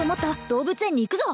動物園に行くぞ！